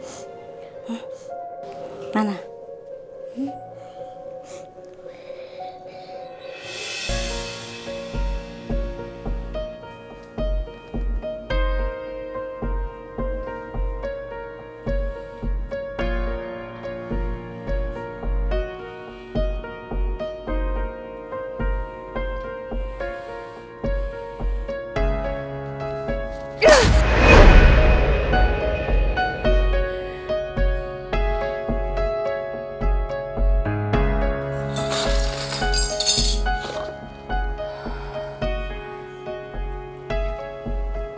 sebentar sebentar sebentar sebentar